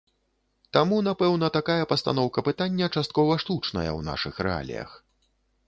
Таму, напэўна, такая пастаноўка пытання часткова штучная ў нашых рэаліях.